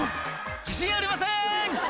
自信ありません！」